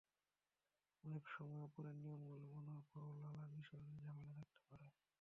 অনেক সময় ওপরের নিয়মগুলো মানার পরও লালা নিঃসরণে ঝামেলা থাকতে পারে।